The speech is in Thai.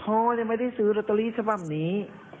พ่อยังไม่ได้ซื้อรอเตอรี่เฉพาะนี้